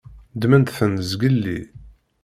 Ddment-ten zgelli.